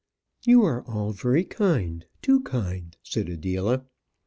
"You are all very kind too kind," said Adela.